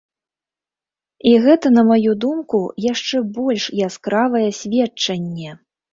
І гэта, на маю думку, яшчэ больш яскравае сведчанне!